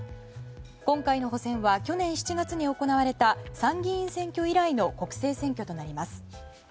今回の補選は去年７月に行われた参議院選挙以来の国政選挙となります。